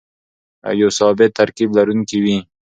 او د يو ثابت ترکيب لرونکي وي.